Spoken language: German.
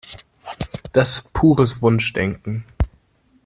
Das ist pures Wunschdenken.